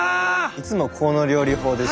いつもこの料理法です。